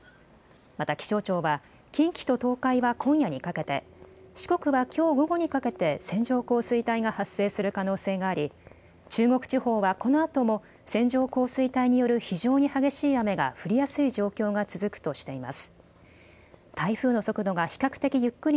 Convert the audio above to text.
また気象庁は近畿と東海は今夜にかけて、四国はきょう午後にかけて線状降水帯が発生する可能性があり、中国地方はこのあとも線状降水帯による非常に激しい雨が降りやすい状況が続くとしています。